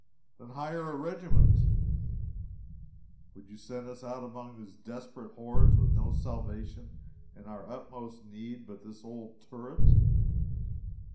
"Then hire a regiment! Would you send us out among these desperate hordes, with no salvation in our utmost need but this old turret?"